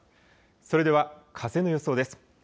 それでは風の予想です。